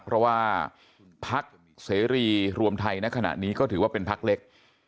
เพราะว่าพักเสรีรวมไทยณขณะนี้ก็ถือว่าเป็นพักเล็ก